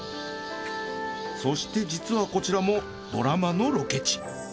そして実はこちらもドラマのロケ地。